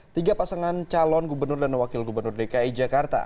tiga pasangan calon gubernur dan wakil gubernur dki jakarta